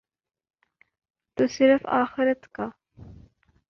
تو صرف آخرت کا۔